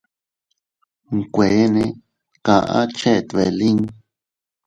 Nkueene kaʼa chet beʼe lin.